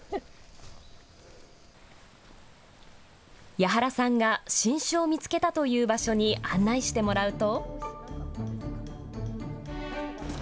矢原さんが新種を見つけたという場所に案内してもらうと。